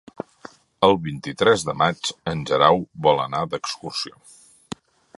El vint-i-tres de maig en Guerau vol anar d'excursió.